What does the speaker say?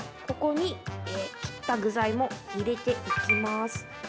ここに切った具材も入れていきます。